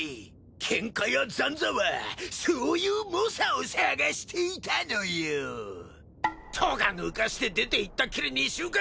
喧嘩屋斬左はそういう猛者を探していたのよ！とか抜かして出ていったっきり２週間。